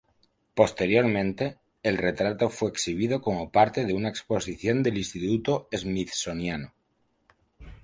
Posteriormente, el retrato fue exhibido como parte de una exposición del Instituto Smithsoniano.